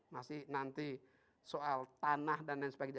masih nanti soal tanah dan lain sebagainya